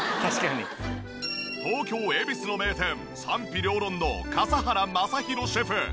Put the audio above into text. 東京恵比寿の名店賛否両論の笠原将弘シェフ。